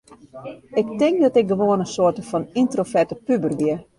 Ik tink dat ik gewoan in soarte fan yntroverte puber wie.